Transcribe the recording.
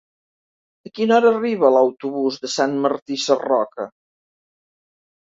A quina hora arriba l'autobús de Sant Martí Sarroca?